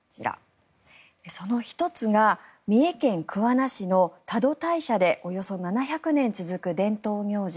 その１つが三重県桑名市の多度大社でおよそ７００年続く伝統行事